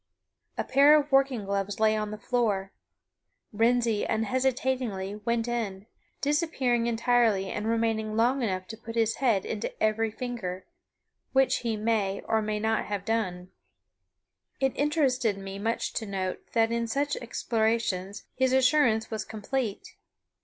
A pair of working gloves lay upon the floor. Wrensie unhesitatingly went in, disappearing entirely and remaining long enough to put his head into every finger which he may, or may not have done. It interested me much to note that in such explorations his assurance was complete.